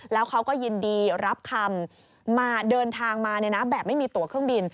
แล้วเขาก็ยินดีรับคำมาเดินทางมาแบบไม่มีตัวเครื่องบิน